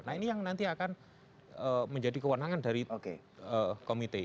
nah ini yang nanti akan menjadi kewenangan dari komite